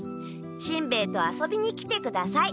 しんべヱと遊びに来てください。